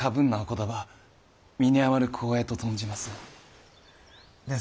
葉身に余る光栄と存じます。